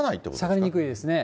下がりにくいですね。